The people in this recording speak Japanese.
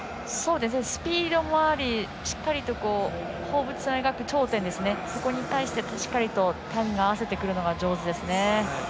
スピードもありしっかり放物線を描く頂点、そこに対してしっかりと点で合わせてくるのが上手ですね。